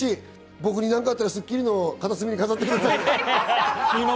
僕に何かあったら『スッキリ』の片隅に飾ってくださいね。